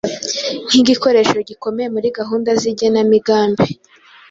nk’igikoresho gikomeye muri gahunda z’igenamigambi